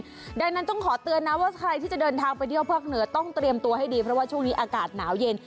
ดังนั้นต้องขอเตือนนะว่าใครที่จะเดินทางไปเที่ยวภาคเหนือต้องเตรียมตัวให้ดีเพราะว่าช่วงนี้อากาศหนาวเย็น